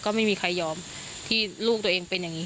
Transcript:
ก็ไม่มีใครยอมที่ลูกตัวเองเป็นอย่างนี้